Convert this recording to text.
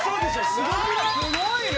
すごいね